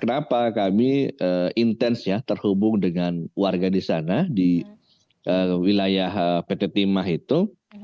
kenapa kami intens ya terhubung dengan warga di sana di wilayah pt timah itu